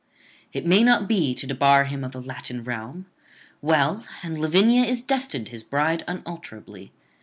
It may not be to debar him of a Latin realm; well; and Lavinia is destined his bride unalterably.